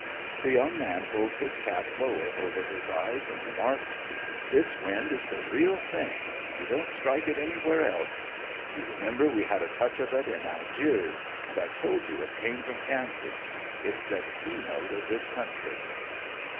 The young man pulled his cap lower over his eyes and remarked: "This wind is the real thing; you don't strike it anywhere else. You remember we had a touch of it in Algiers and I told you it came from Kansas. It's the key note of this country."